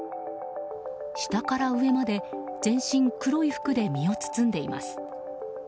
下から上まで全身黒い服で身を包んでいます。